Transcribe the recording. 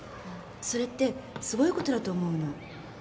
それってすごいことだと思うの。